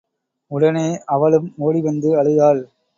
உடனே அவளும் ஓடிவந்து அழுதாள்.